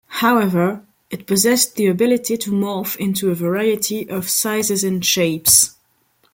However, it possessed the ability to morph into a variety of sizes and shapes.